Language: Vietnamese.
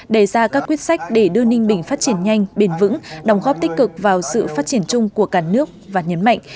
đề ra các quyết sách để đưa ninh bình phát triển nhanh bền vững đồng góp tích cực vào sự phát triển chung của cả nước và nhấn mạnh